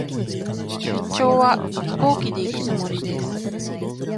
出張は、飛行機で行くつもりです。